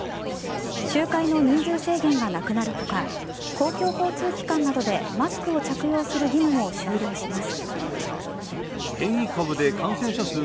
集会の人数制限がなくなるほか公共交通機関などでマスクを着用する義務も終了します。